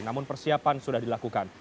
namun persiapan sudah dilakukan